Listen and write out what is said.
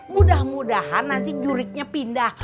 mudah mudahan nanti juriknya pindah